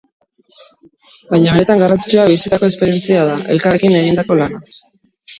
Baina benetan garrantzitsua bizitako esperientzia da, elkarrekin egindako lana.